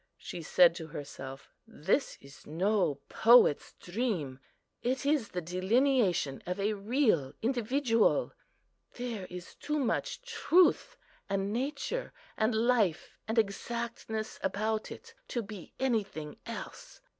She said to herself, "This is no poet's dream; it is the delineation of a real individual. There is too much truth and nature, and life and exactness about it, to be anything else."